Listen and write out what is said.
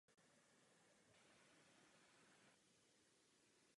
Byl proto zbořen a na jeho místě postaven nový.